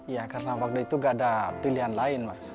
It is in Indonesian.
ya karena waktu itu gak ada pilihan lain mas